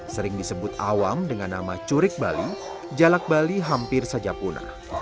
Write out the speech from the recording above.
sering disebut awam dengan nama curik bali jalak bali hampir saja punah